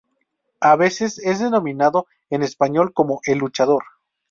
A veces es denominado en español como El luchador.